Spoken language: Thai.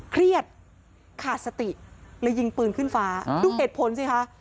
เครียดขาดสติเลยยิงปืนขึ้นฟ้าดูเหตุผลสิคะ